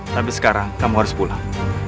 tapi sekarang kamu harus pulang